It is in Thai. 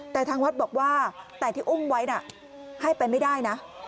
แต่ทางวัดบอกว่าแต่ที่อุ้มไว้น่ะให้ไปไม่ได้นะ